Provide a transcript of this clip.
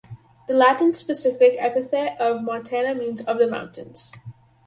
The Latin specific epithet of "montana" means "of the mountains".